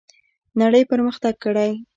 نړۍ پرمختګ کړی.